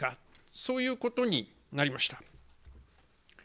そういうことになりました。